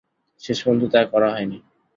শেষ পর্যন্ত তা করা হয় নি।